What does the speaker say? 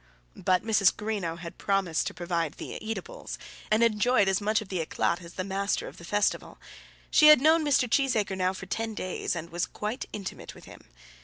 But Mrs. Greenow had promised to provide the eatables, and enjoyed as much of the éclat as the master of the festival. She had known Mr. Cheesacre now for ten days and was quite intimate with him.